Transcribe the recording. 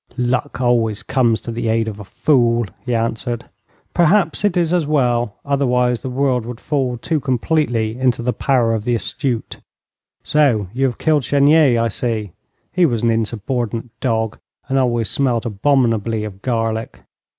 'Luck always comes to the aid of a fool,' he answered. 'Perhaps it is as well, otherwise the world would fall too completely into the power of the astute. So, you have killed Chenier, I see. He was an insubordinate dog, and always smelt abominably of garlic.